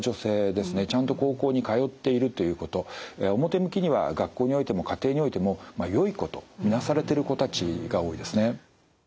ちゃんと高校に通っているということ表向きには学校においても家庭においてもよい子と見なされてる子たちが多いですね。